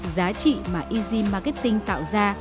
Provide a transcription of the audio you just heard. giá trị mà easy marketing tạo ra